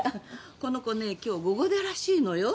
この子ね今日午後出らしいのよ。